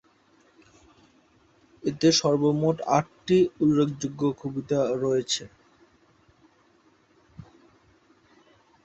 এতে সর্বমোট আটটি উল্লেখযোগ্য কবিতা রয়েছে।